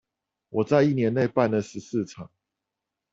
我在一年內辦了十四場